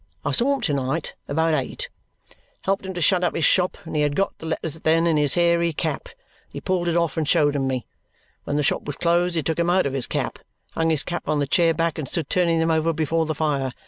I saw him to night, about eight helped him to shut up his shop and he had got the letters then in his hairy cap. He pulled it off and showed 'em me. When the shop was closed, he took them out of his cap, hung his cap on the chair back, and stood turning them over before the fire.